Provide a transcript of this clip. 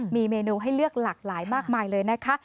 มีเมนูให้เลือกหลากหลายมากมายเลยนะคะ